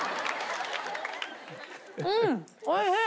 うんおいしい！